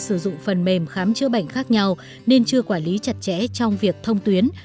sử dụng phần mềm khám chữa bệnh khác nhau nên chưa quản lý chặt chẽ trong việc thông tuyến